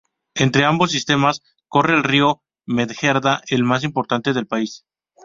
Entre ambos sistemas corre el río Medjerda, el más importante del país.